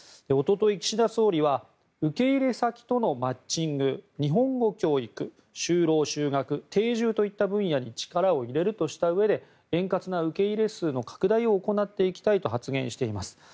一昨日、岸田総理は受け入れ先とのマッチング日本語教育就労・就学、定住といった分野に力を入れるとしたうえで円滑な受け入れ数の拡大を行っていきたいと発言しています。